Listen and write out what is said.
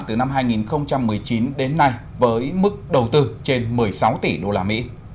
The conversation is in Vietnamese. từ năm hai nghìn một mươi chín đến nay với mức đầu tư trên một mươi sáu tỷ usd